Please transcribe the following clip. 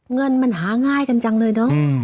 เงินมันหาง่ายกันจังเลยเนอะ